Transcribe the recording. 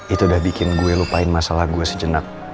itu udah bikin gue lupain masalah gue sejenak